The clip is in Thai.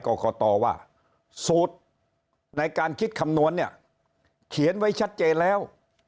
กรกตว่าสูตรในการคิดคำนวณเนี่ยเขียนไว้ชัดเจนแล้ว